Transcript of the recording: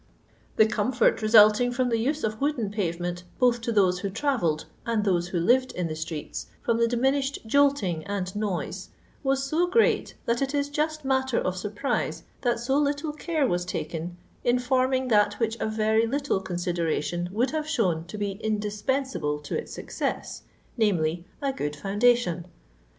The comfort resulting from the use of wooden paye ment, both to those who trayelled, and those who liyed in the streets, from the diminished jolting and noiae, was so great, that it is just matter of inrprise that so litde care was taken in forming that which a yery little consideration would haye diown to be indispensable to its success, namely, a good foundation.